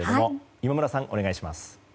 今村さん、お願いします。